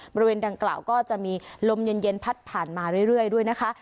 บริเวณดังกล่าวก็จะมีลมเย็นพัดผ่านมาเรื่อยด้วยนะคะ